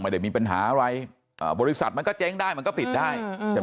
ไม่ได้มีปัญหาอะไรบริษัทมันก็เจ๊งได้มันก็ปิดได้ใช่ไหม